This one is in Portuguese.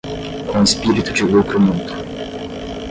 com espírito de lucro mútuo